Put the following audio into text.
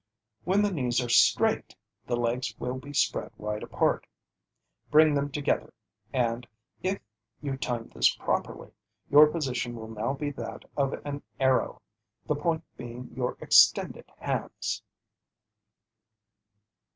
When the knees are straight, the legs will be spread wide apart. Bring them together, and, if you time this properly, your position will now be that of an arrow, the point being your extended hands.